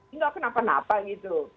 enggak kenapa napa gitu